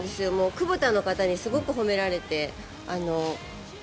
クボタの方にすごく褒められて。